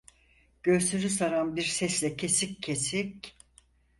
Göğsünü saran bir sesle kesik kesik: